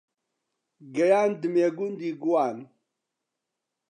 گەیاندمیە گوندی گوان